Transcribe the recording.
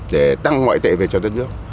để tăng ngoại tệ về cho đất nước